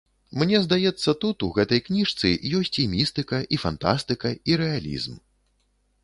Мне здаецца, тут, у гэтай кніжцы, ёсць і містыка, і фантастыка, і рэалізм.